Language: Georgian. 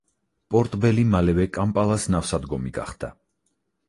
პორტ ბელი მალევე კამპალას ნავსადგომი გახდა.